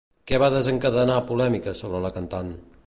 Què va desencadenar polèmica sobre la cantant?